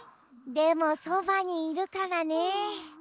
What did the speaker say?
でもそばにいるからね。